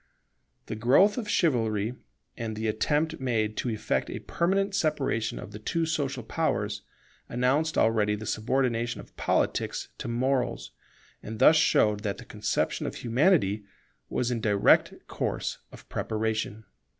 The growth of Chivalry, and the attempt made to effect a permanent separation of the two social powers, announced already the subordination of Politics to Morals, and thus showed that the conception of Humanity was in direct course of preparation.